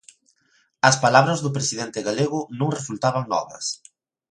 As palabras do presidente galego non resultaban novas.